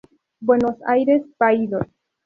Buenos Aires: Paidós.